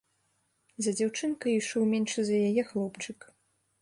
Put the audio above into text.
За дзяўчынкай ішоў меншы за яе хлопчык.